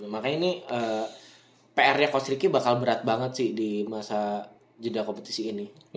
makanya ini pr nya kostriki bakal berat banget sih di masa jendela kompetisi ini